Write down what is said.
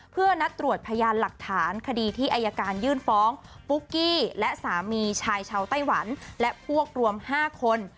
เพื่อนัดตรวจพยานหลักฐานคดีที่อายการยื่นฟ้องปุ๊กกี้และสามีชายชาวไต้หวันและพวกรวม๕คน